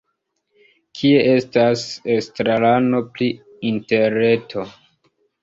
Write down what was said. Kie estas estrarano pri interreto?